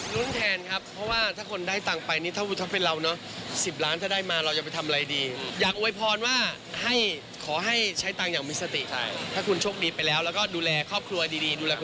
มาแซวกันหน่อยดีกว่าตำแหน่งคุณพ่อลูกดก